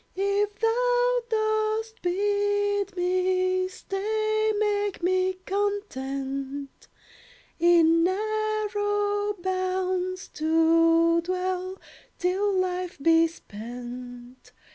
If thou dost bid me stay, Make me content In narrow bounds to dwell Till life be spent.